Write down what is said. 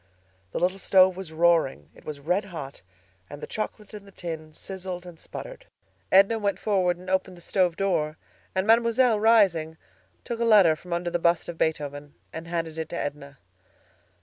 The little stove was roaring; it was red hot, and the chocolate in the tin sizzled and sputtered. Edna went forward and opened the stove door, and Mademoiselle rising, took a letter from under the bust of Beethoven and handed it to Edna.